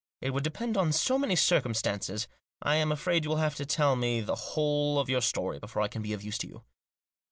It would depend on so many circumstances. I am afraid you will have to tell me the whole of your story before I can be of use to you."